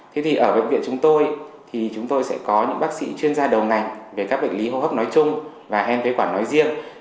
thế thì ở bệnh viện chúng tôi thì chúng tôi sẽ có những bác sĩ chuyên gia đầu ngành về các bệnh lý hô hấp nói chung và hen phế quản nói riêng